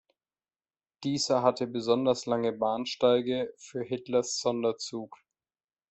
Dieser hatte besonders lange Bahnsteige für Hitlers Sonderzug.